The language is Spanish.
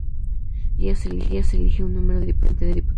Cada una de ellas elige a un número diferente de diputados.